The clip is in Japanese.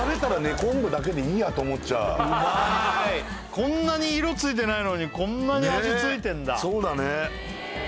こんなに色ついてないのにこんなに味ついてるんだそうだね